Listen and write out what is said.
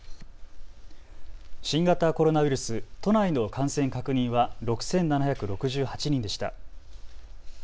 新型コロナウイルス、都内の感染確認は６７６８人でした。